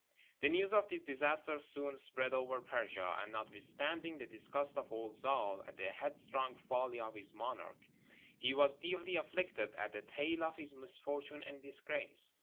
The news of this disaster soon spread over Persia, and notwithstanding the disgust of old Zâl at the headstrong folly of his monarch, he was deeply afflicted at the tale of his misfortune and disgrace.